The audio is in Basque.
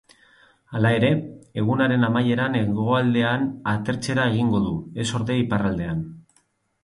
Hala ere, egunaren amaieran hegoaldean atertzera egingo du, ez ordea iparraldean.